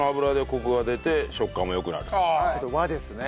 ちょっと和ですね。